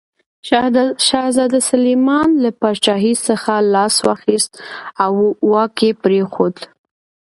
شهزاده سلیمان له پاچاهي څخه لاس واخیست او واک یې پرېښود.